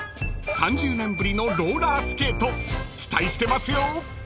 ［３０年ぶりのローラースケート期待してますよ］